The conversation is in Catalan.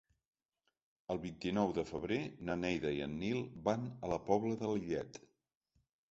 El vint-i-nou de febrer na Neida i en Nil van a la Pobla de Lillet.